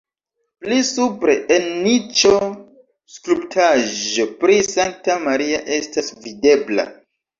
Pli supre en niĉo skulptaĵo pri Sankta Maria estas videbla.